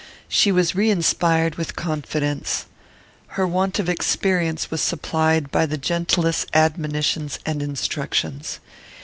She was reinspired with confidence. Her want of experience was supplied by the gentlest admonitions and instructions.